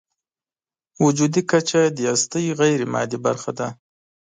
وجودي کچه د هستۍ غیرمادي برخه ده.